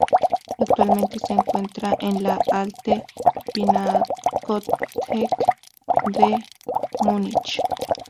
Actualmente se encuentra en la "Alte Pinakothek" de Múnich.